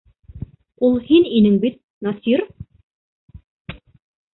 Ул һин инең бит, Насир?